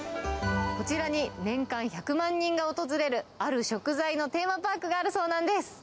こちらに、年間１００万人が訪れる、ある食材のテーマパークがあるそうなんです。